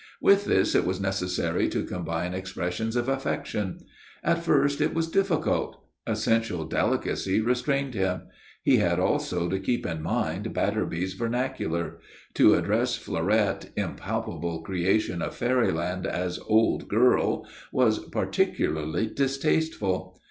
With this it was necessary to combine expressions of affection. At first it was difficult. Essential delicacy restrained him. He had also to keep in mind Batterby's vernacular. To address Fleurette, impalpable creation of fairyland, as "old girl" was particularly distasteful.